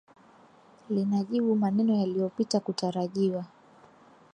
Linajibu maneno yaliyopita kutarajiwa .